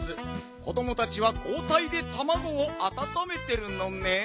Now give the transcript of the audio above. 子どもたちはこうたいでたまごをあたためてるのねん。